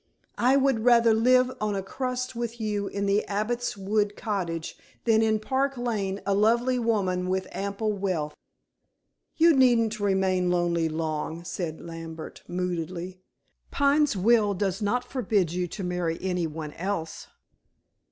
"I would rather live on a crust with you in the Abbot's Wood Cottage than in Park Lane a lonely woman with ample wealth." "You needn't remain lonely long," said Lambert moodily. "Pine's will does not forbid you to marry any one else."